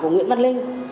của nguyễn văn linh